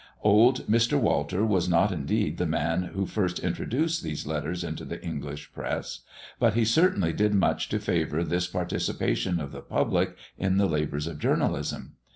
Old Mr. Walter was not indeed the man who first introduced these letters into the English press, but he certainly did much to favour this participation of the public in the labours of journalism.